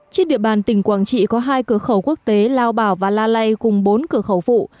trên địa bàn tỉnh quảng trị có hai cửa khẩu quốc tế lao bảo và la lây cùng bốn cửa khẩu phụ